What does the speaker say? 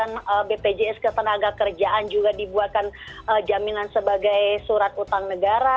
anggaran bpjs ketenagakerjaan juga dibuatkan jaminan sebagai surat utang negara